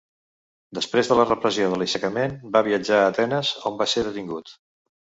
Després de la repressió de l'aixecament, va viatjar a Atenes, on va ser detingut.